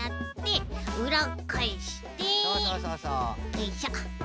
よいしょ。